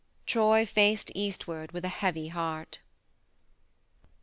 Troy faced eastward with a heavy heart.